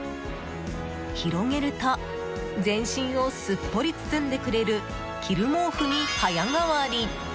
広げると全身をすっぽり包んでくれる着る毛布に早変わり！